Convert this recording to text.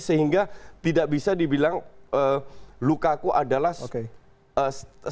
sehingga tidak bisa dibilang lukaku adalah